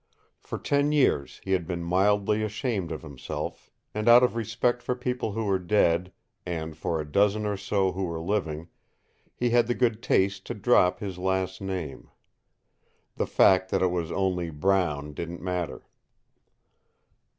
For ten years he had been mildly ashamed of himself, and out of respect for people who were dead, and for a dozen or so who were living, he had the good taste to drop his last name. The fact that it was only Brown didn't matter.